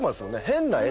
『変な絵』